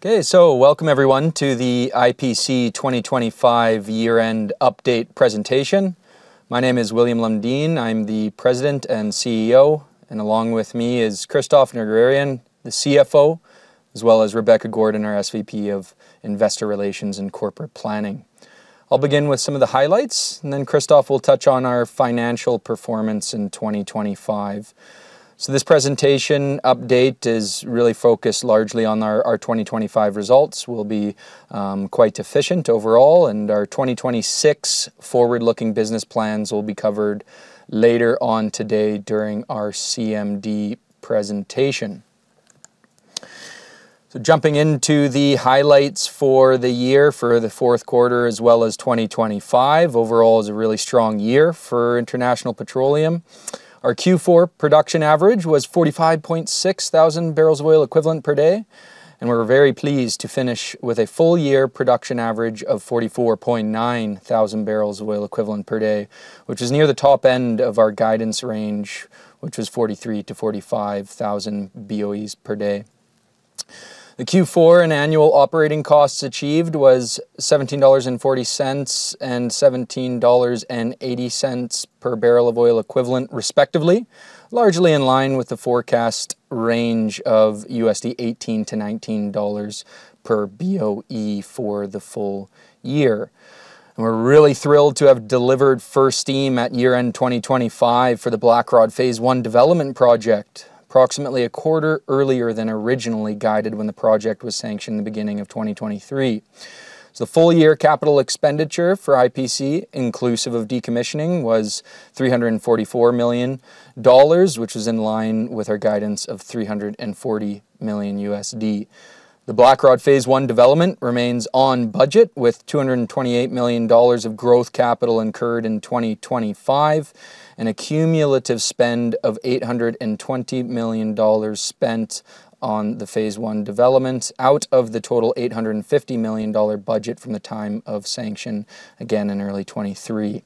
Okay, so welcome everyone to the IPC 2025 year-end update presentation. My name is William Lundin, I'm the President and CEO, and along with me is Christophe Nerguararian, the CFO, as well as Rebecca Gordon, our SVP of Investor Relations and Corporate Planning. I'll begin with some of the highlights, and then Christophe will touch on our financial performance in 2025. So this presentation update is really focused largely on our 2025 results. We'll be quite efficient overall, and our 2026 forward-looking business plans will be covered later on today during our CMD presentation. So jumping into the highlights for the year, for the fourth quarter as well as 2025, overall is a really strong year for International Petroleum. Our Q4 production average was 45.6 thousand barrels of oil equivalent per day, and we were very pleased to finish with a full-year production average of 44.9 thousand barrels of oil equivalent per day, which is near the top end of our guidance range, which was 43-45 thousand BOEs per day. The Q4 and annual operating costs achieved was $17.40 and $17.80 per barrel of oil equivalent, respectively, largely in line with the forecast range of $18-$19 per BOE for the full year. We're really thrilled to have delivered first steam at year-end 2025 for the Blackrod Phase 1 development project, approximately a quarter earlier than originally guided when the project was sanctioned the beginning of 2023. The full-year capital expenditure for IPC, inclusive of decommissioning, was $344 million, which was in line with our guidance of $340 million. The Blackrod Phase 1 development remains on budget with $228 million of growth capital incurred in 2025, an accumulative spend of $820 million spent on the Phase 1 development out of the total $850 million budget from the time of sanction, again in early 2023.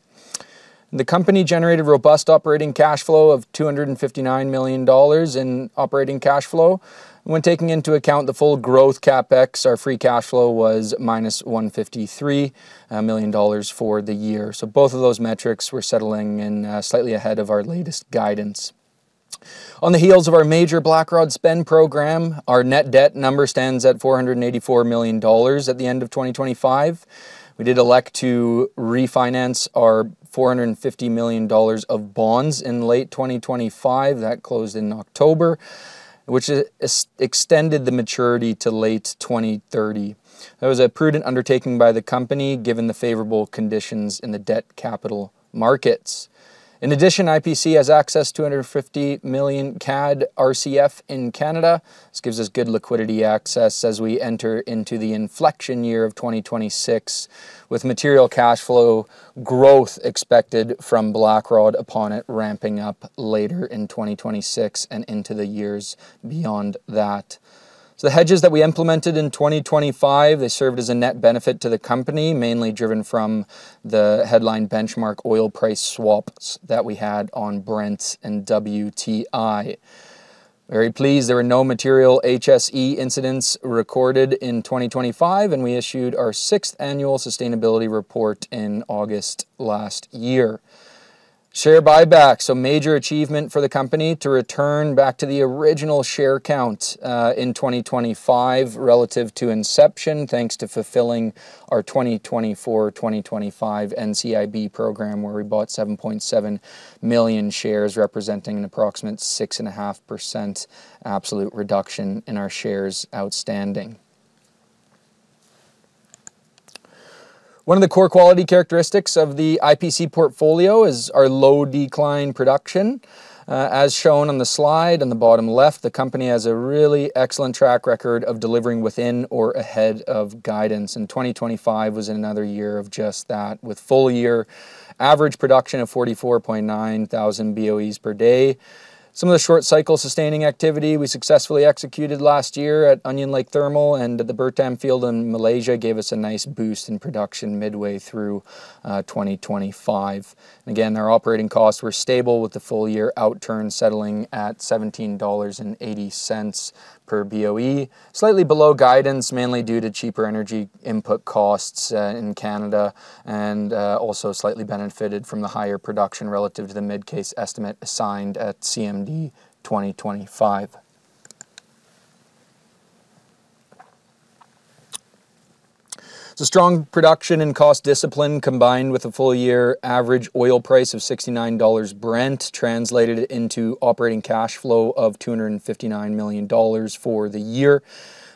The company generated robust operating cash flow of $259 million in operating cash flow, and when taking into account the full growth CapEx, our free cash flow was minus $153 million for the year. So both of those metrics were settling in slightly ahead of our latest guidance. On the heels of our major Blackrod spend program, our net debt number stands at $484 million at the end of 2025. We did elect to refinance our $450 million of bonds in late 2025. That closed in October, which extended the maturity to late 2030. That was a prudent undertaking by the company given the favorable conditions in the debt capital markets. In addition, IPC has access to 250 million CAD RCF in Canada. This gives us good liquidity access as we enter into the inflection year of 2026, with material cash flow growth expected from Blackrod upon it ramping up later in 2026 and into the years beyond that. So the hedges that we implemented in 2025, they served as a net benefit to the company, mainly driven from the headline benchmark oil price swaps that we had on Brent and WTI. Very pleased, there were no material HSE incidents recorded in 2025, and we issued our sixth annual sustainability report in August last year. Share buyback, so major achievement for the company to return back to the original share count in 2025 relative to inception, thanks to fulfilling our 2024-2025 NCIB program where we bought 7.7 million shares representing an approximate 6.5% absolute reduction in our shares outstanding. One of the core quality characteristics of the IPC portfolio is our low decline production. As shown on the slide on the bottom left, the company has a really excellent track record of delivering within or ahead of guidance. 2025 was another year of just that, with full-year average production of 44.9 thousand BOEs per day. Some of the short-cycle sustaining activity we successfully executed last year at Onion Lake Thermal and at the Bertam field in Malaysia gave us a nice boost in production midway through 2025. Again, our operating costs were stable with the full-year outturn settling at $17.80 per BOE, slightly below guidance, mainly due to cheaper energy input costs in Canada, and also slightly benefited from the higher production relative to the mid-case estimate assigned at CMD 2025. Strong production and cost discipline combined with a full-year average oil price of $69 Brent translated into operating cash flow of $259 million for the year.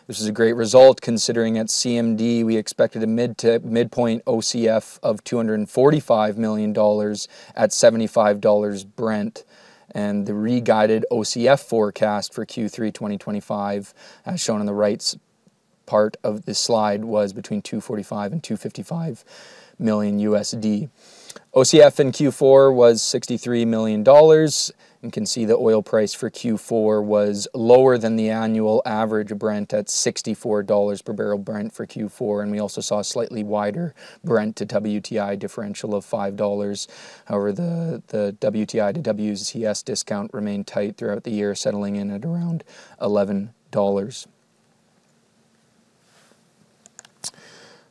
This is a great result considering at CMD we expected a midpoint OCF of $245 million at $75 Brent, and the re-guided OCF forecast for Q3 2025, as shown on the right part of this slide, was between $245-$255 million. OCF in Q4 was $63 million. You can see the oil price for Q4 was lower than the annual average Brent at $64 per barrel Brent for Q4, and we also saw a slightly wider Brent to WTI differential of $5. However, the WTI to WCS discount remained tight throughout the year, settling in at around $11.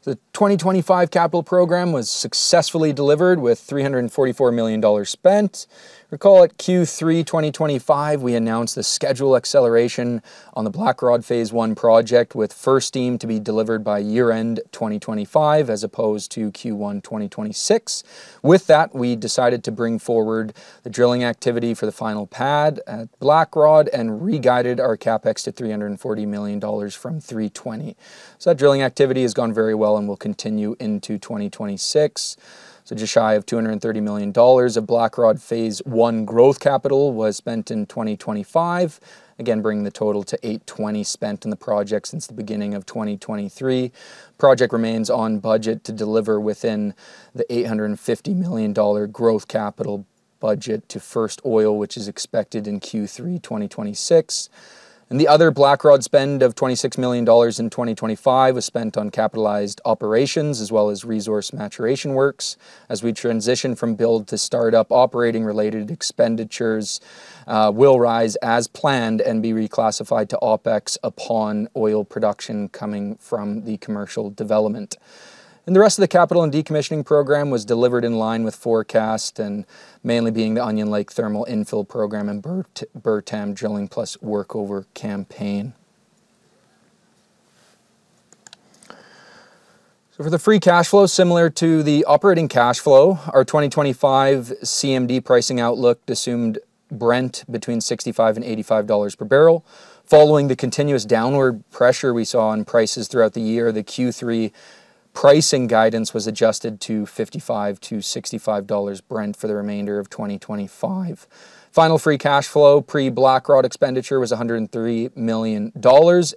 The 2025 capital program was successfully delivered with $344 million spent. Recall at Q3 2025, we announced the schedule acceleration on the Blackrod Phase 1 project, with first steam to be delivered by year-end 2025 as opposed to Q1 2026. With that, we decided to bring forward the drilling activity for the final pad at Blackrod and re-guided our CapEx to $340 million from $320. So that drilling activity has gone very well and will continue into 2026. So just shy of $230 million of Blackrod Phase 1 growth capital was spent in 2025, again bringing the total to $820 million spent in the project since the beginning of 2023. The project remains on budget to deliver within the $850 million growth capital budget to first oil, which is expected in Q3 2026. The other Blackrod spend of $26 million in 2025 was spent on capitalized operations as well as resource maturation works. As we transition from build to startup, operating-related expenditures will rise as planned and be reclassified to OpEx upon oil production coming from the commercial development. The rest of the capital and decommissioning program was delivered in line with forecast, mainly being the Onion Lake Thermal infill program and Bertam drilling plus workover campaign. So for the free cash flow, similar to the operating cash flow, our 2025 CMD pricing outlook assumed Brent between $65 and $85 per barrel. Following the continuous downward pressure we saw on prices throughout the year, the Q3 pricing guidance was adjusted to $55-$65 Brent for the remainder of 2025. Final free cash flow pre-Blackrod expenditure was $103 million,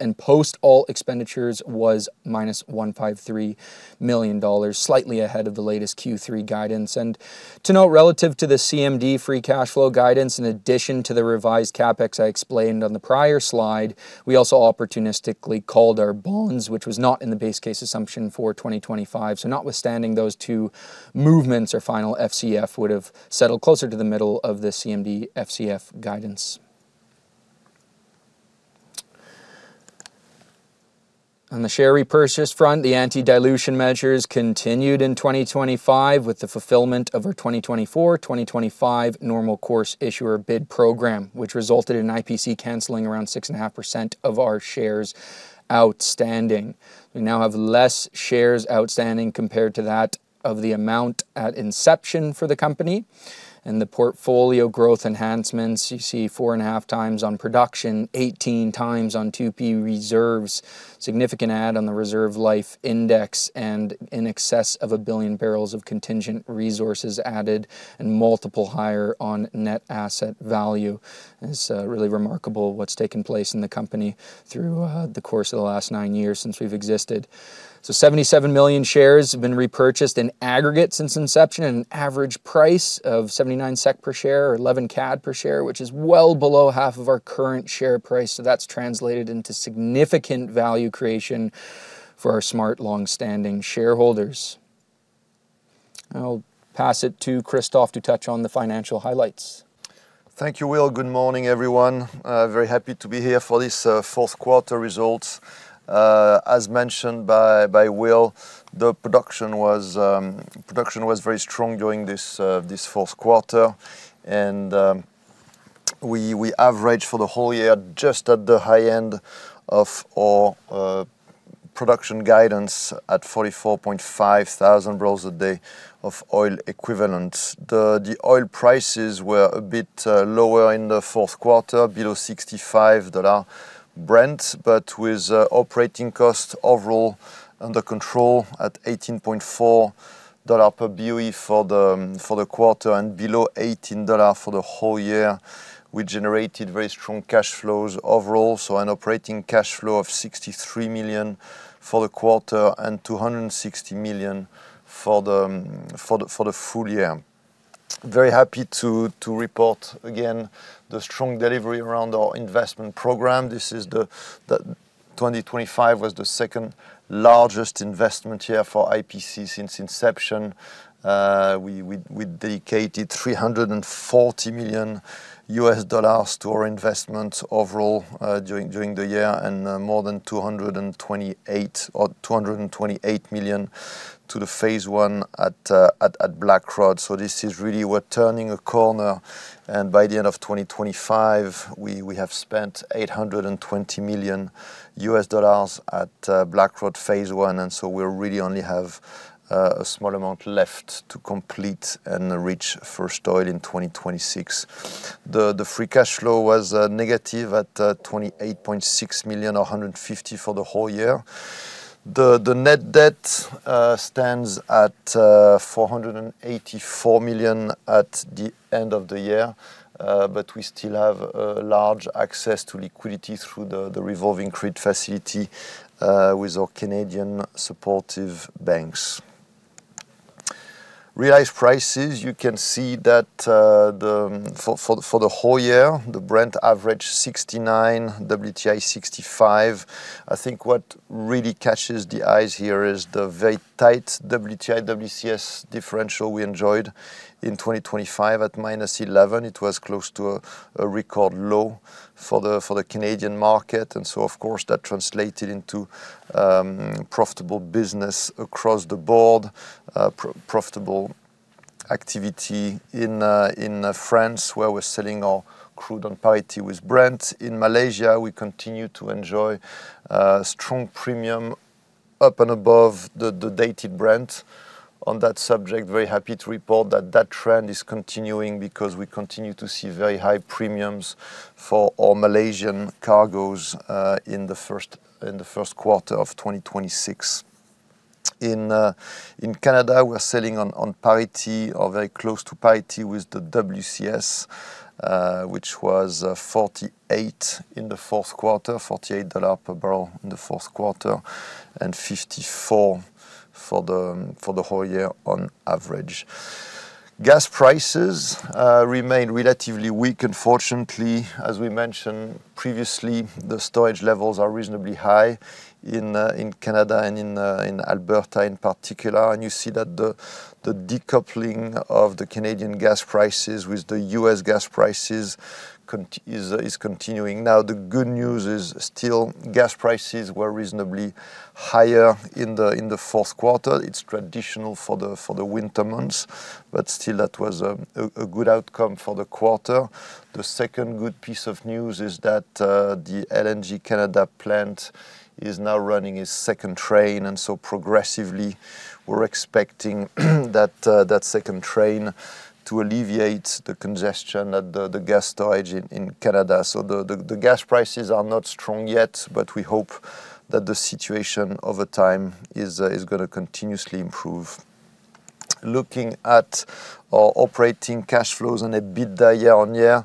and post-all expenditures was -$153 million, slightly ahead of the latest Q3 guidance. And to note, relative to the CMD free cash flow guidance, in addition to the revised CapEx I explained on the prior slide, we also opportunistically called our bonds, which was not in the base case assumption for 2025. So notwithstanding those two movements, our final FCF would have settled closer to the middle of the CMD FCF guidance. On the share repurchase front, the anti-dilution measures continued in 2025 with the fulfillment of our 2024-2025 normal course issuer bid program, which resulted in IPC canceling around 6.5% of our shares outstanding. We now have less shares outstanding compared to that of the amount at inception for the company. The portfolio growth enhancements, you see 4.5x on production, 18x on 2P Reserves, significant add on the Reserves Life Index, and in excess of 1 billion barrels of contingent resources added and multiple higher on net asset value. It's really remarkable what's taken place in the company through the course of the last nine years since we've existed. 77 million shares have been repurchased in aggregate since inception, at an average price of 79 SEK per share or 11 CAD per share, which is well below half of our current share price. That's translated into significant value creation for our smart, longstanding shareholders. I'll pass it to Christophe to touch on the financial highlights. Thank you, Will. Good morning, everyone. Very happy to be here for this fourth quarter results. As mentioned by Will, the production was very strong during this fourth quarter, and we averaged for the whole year just at the high end of our production guidance at 44,500 barrels a day of oil equivalent. The oil prices were a bit lower in the fourth quarter, below $65 Brent, but with operating costs overall under control at $18.4 per BOE for the quarter and below $18 for the whole year, we generated very strong cash flows overall. So an operating cash flow of $63 million for the quarter and $260 million for the full year. Very happy to report again the strong delivery around our investment program. 2025 was the second largest investment year for IPC since inception. We dedicated $340 million to our investments overall during the year and more than $228 million to the Phase One at Blackrod. So this is really we're turning a corner, and by the end of 2025, we have spent $820 million at Blackrod Phase One, and so we really only have a small amount left to complete and reach first oil in 2026. The free cash flow was negative at $28.6 million or 150 for the whole year. The net debt stands at $484 million at the end of the year, but we still have large access to liquidity through the revolving credit facility with our Canadian supportive banks. Realized prices, you can see that for the whole year, the Brent averaged $69, WTI $65. I think what really catches the eyes here is the very tight WTI/WCS differential we enjoyed in 2025 at -$11. It was close to a record low for the Canadian market, and so, of course, that translated into profitable business across the board, profitable activity in France where we're selling our crude on parity with Brent. In Malaysia, we continue to enjoy strong premium up and above the dated Brent. On that subject, very happy to report that that trend is continuing because we continue to see very high premiums for our Malaysian cargoes in the first quarter of 2026. In Canada, we're selling on parity or very close to parity with the WCS, which was $48 in the fourth quarter, $48 per barrel in the fourth quarter, and $54 for the whole year on average. Gas prices remain relatively weak. Unfortunately, as we mentioned previously, the storage levels are reasonably high in Canada and in Alberta in particular, and you see that the decoupling of the Canadian gas prices with the U.S. gas prices is continuing. Now, the good news is still gas prices were reasonably higher in the fourth quarter. It's traditional for the winter months, but still, that was a good outcome for the quarter. The second good piece of news is that the LNG Canada plant is now running its second train, and so progressively, we're expecting that second train to alleviate the congestion at the gas storage in Canada. So the gas prices are not strong yet, but we hope that the situation over time is going to continuously improve. Looking at our operating cash flows abated year-over-year,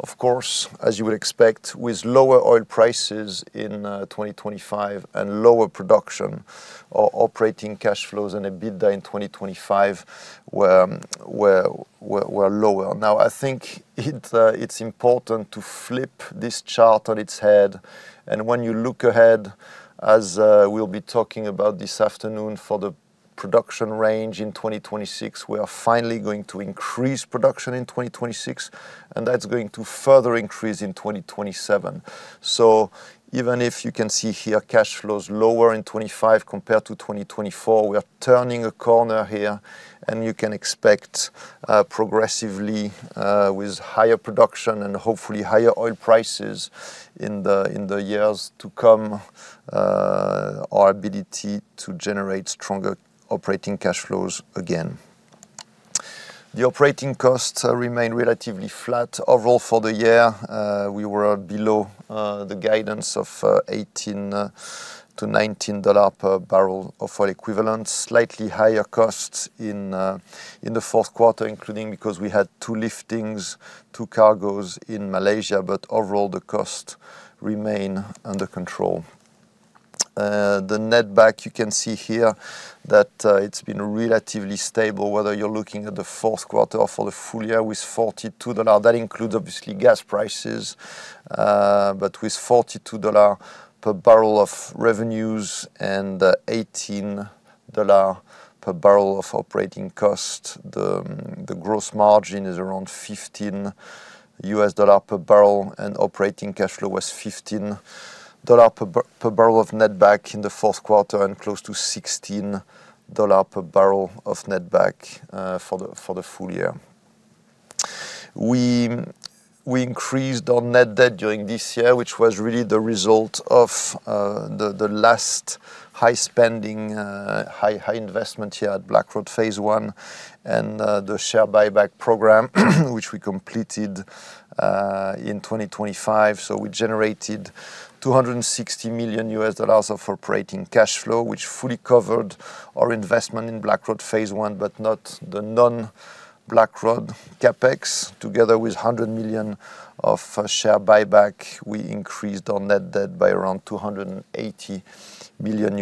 of course, as you would expect, with lower oil prices in 2025 and lower production, our operating cash flows abated in 2025 were lower. Now, I think it's important to flip this chart on its head, and when you look ahead, as we'll be talking about this afternoon, for the production range in 2026, we are finally going to increase production in 2026, and that's going to further increase in 2027. So even if you can see here cash flows lower in 2025 compared to 2024, we are turning a corner here, and you can expect progressively, with higher production and hopefully higher oil prices in the years to come, our ability to generate stronger operating cash flows again. The operating costs remain relatively flat. Overall, for the year, we were below the guidance of $18-$19 per barrel of oil equivalent, slightly higher costs in the fourth quarter, including because we had two liftings, two cargoes in Malaysia, but overall, the costs remain under control. The netback, you can see here that it's been relatively stable, whether you're looking at the fourth quarter or for the full year, with $42. That includes, obviously, gas prices, but with $42 per barrel of revenues and $18 per barrel of operating costs, the gross margin is around $15 per barrel, and operating cash flow was $15 per barrel of netback in the fourth quarter and close to $16 per barrel of netback for the full year. We increased our net debt during this year, which was really the result of the last high spending, high investment year at Blackrod Phase 1, and the share buyback program, which we completed in 2025. So we generated $260 million of operating cash flow, which fully covered our investment in Blackrod Phase 1, but not the non-Blackrod CapEx. Together with $100 million of share buyback, we increased our net debt by around $280 million.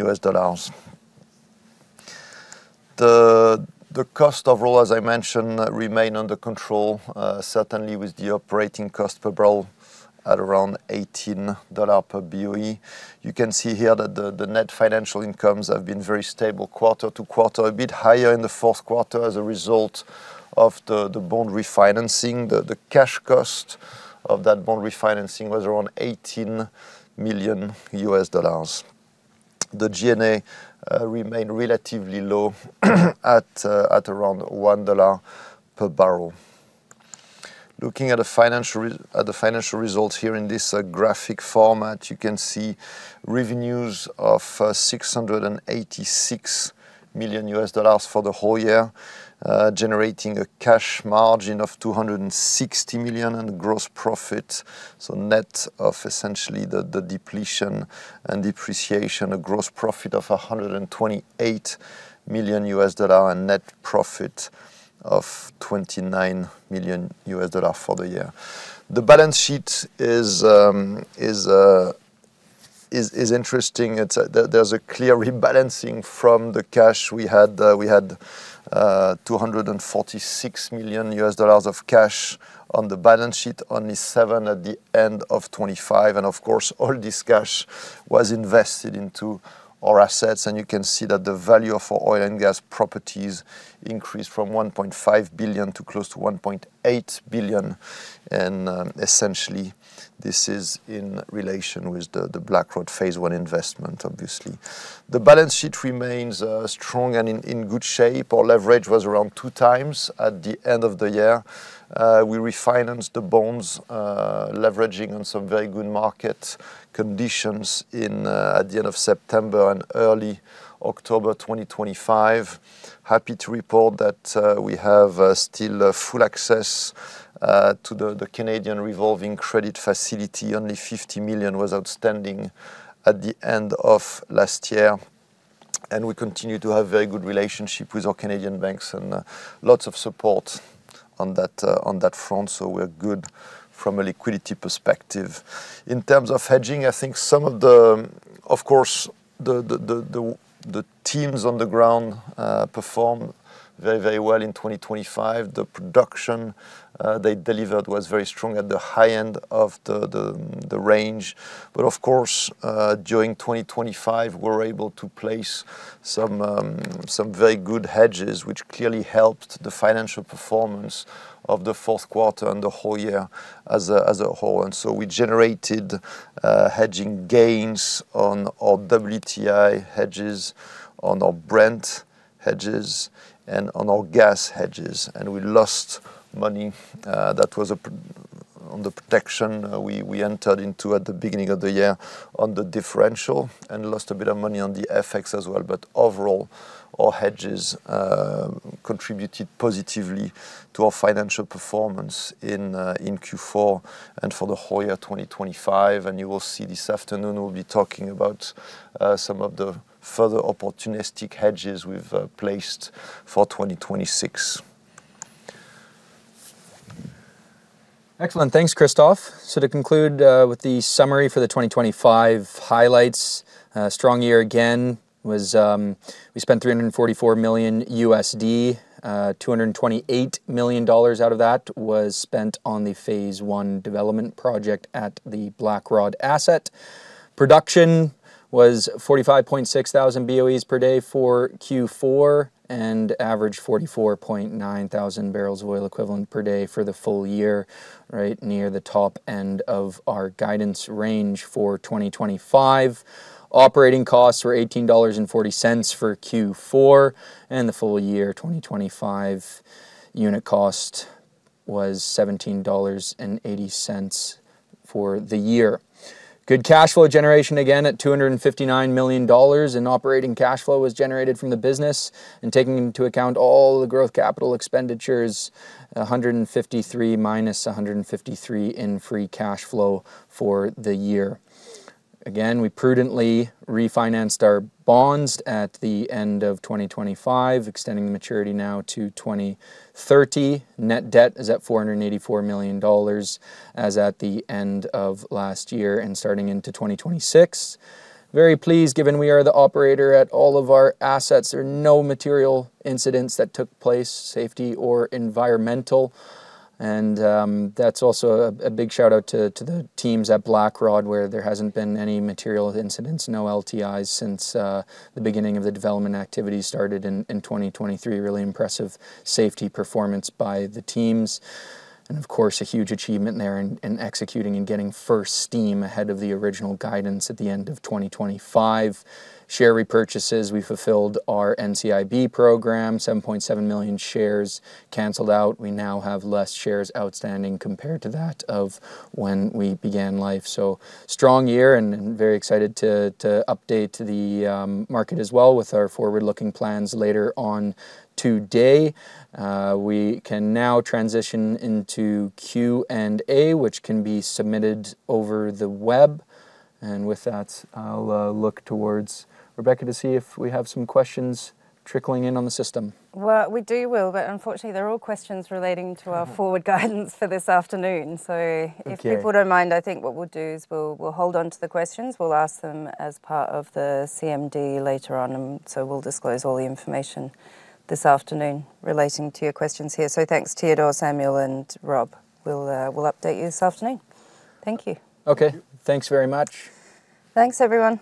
The cost overall, as I mentioned, remained under control, certainly with the operating cost per barrel at around $18 per BOE. You can see here that the net financial incomes have been very stable quarter-to-quarter, a bit higher in the fourth quarter as a result of the bond refinancing. The cash cost of that bond refinancing was around $18 million. The GNA remained relatively low at around $1 per barrel. Looking at the financial results here in this graphic format, you can see revenues of $686 million for the whole year, generating a cash margin of $260 million and gross profit, so net of essentially the depletion and depreciation, a gross profit of $128 million and net profit of $29 million for the year. The balance sheet is interesting. There's a clear rebalancing from the cash we had. We had $246 million of cash on the balance sheet, only $7 million at the end of 2025, and of course, all this cash was invested into our assets, and you can see that the value of oil and gas properties increased from $1.5 billion to close to $1.8 billion. And essentially, this is in relation with the Blackrod Phase One investment, obviously. The balance sheet remains strong and in good shape. Our leverage was around 2x at the end of the year. We refinanced the bonds, leveraging on some very good market conditions at the end of September and early October 2025. Happy to report that we have still full access to the Canadian revolving credit facility. Only $50 million was outstanding at the end of last year, and we continue to have very good relationship with our Canadian banks and lots of support on that front, so we're good from a liquidity perspective. In terms of hedging, I think some of the, of course, the teams on the ground performed very, very well in 2025. The production they delivered was very strong at the high end of the range, but of course, during 2025, we were able to place some very good hedges, which clearly helped the financial performance of the fourth quarter and the whole year as a whole. And so we generated hedging gains on our WTI hedges, on our Brent hedges, and on our gas hedges, and we lost money that was on the protection we entered into at the beginning of the year on the differential and lost a bit of money on the FX as well. But overall, our hedges contributed positively to our financial performance in Q4 and for the whole year 2025, and you will see this afternoon, we'll be talking about some of the further opportunistic hedges we've placed for 2026. Excellent. Thanks, Christophe. So to conclude with the summary for the 2025 highlights, strong year again. We spent $344 million. $228 million out of that was spent on the Phase 1 development project at the Blackrod asset. Production was 45,600 BOE per day for Q4 and averaged 44,900 barrels of oil equivalent per day for the full year, right near the top end of our guidance range for 2025. Operating costs were $18.40 for Q4, and the full year 2025 unit cost was $17.80 for the year. Good cash flow generation again at $259 million, and operating cash flow was generated from the business and taking into account all the growth capital expenditures, $153 million - $153 million in free cash flow for the year. Again, we prudently refinanced our bonds at the end of 2025, extending the maturity now to 2030. Net debt is at $484 million as at the end of last year and starting into 2026. Very pleased, given we are the operator at all of our assets, there are no material incidents that took place, safety or environmental. And that's also a big shout-out to the teams at Blackrod where there hasn't been any material incidents, no LTIs since the beginning of the development activity started in 2023. Really impressive safety performance by the teams, and of course, a huge achievement there in executing and getting first steam ahead of the original guidance at the end of 2025. Share repurchases, we fulfilled our NCIB program, 7.7 million shares canceled out. We now have less shares outstanding compared to that of when we began life. So strong year and very excited to update the market as well with our forward-looking plans later on today. We can now transition into Q&A, which can be submitted over the web, and with that, I'll look towards Rebecca to see if we have some questions trickling in on the system. Well, we will, but unfortunately, there are all questions relating to our forward guidance for this afternoon. So if people don't mind, I think what we'll do is we'll hold onto the questions. We'll ask them as part of the CMD later on, and so we'll disclose all the information this afternoon relating to your questions here. So thanks, Teodor, Samuel, and Rob. We'll update you this afternoon. Thank you. Okay. Thanks very much. Thanks, everyone.